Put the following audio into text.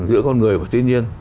giữa con người và thiên nhiên